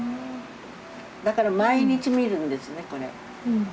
だから毎日見るんですねこれ。